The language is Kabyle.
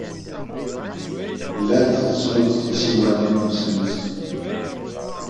Llant ttettunt tisiwanin-nsent.